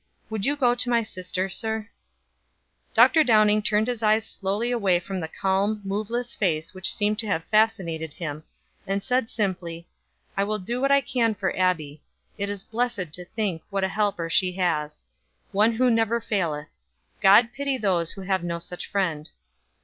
Would you go to my sister, sir?" Dr. Downing turned his eyes slowly away from the calm, moveless face which seemed to have fascinated him, and said simply: "I will do what I can for Abbie. It is blessed to think what a Helper she has. One who never faileth. God pity those who have no such friend."